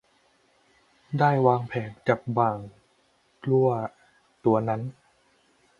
ได้วางแผนจับบ่างลั่วตัวนั้น